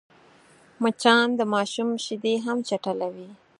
مچان د ماشوم شیدې هم چټلوي